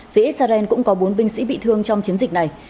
phía israel cũng có bốn binh sĩ bị thương trong chiến dịch này